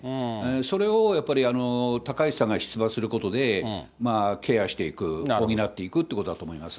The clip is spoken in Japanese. それをやっぱり高市さんが出馬することでケアしていく、補っていくということだと思います。